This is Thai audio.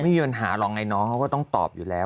ไม่มีปัญหาหรอกไงน้องเขาก็ต้องตอบอยู่แล้ว